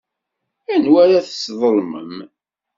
Anwa ara tesḍelmem?